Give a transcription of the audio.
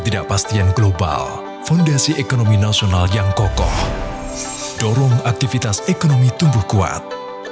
dorong aktivitas ekonomi tumbuh kuat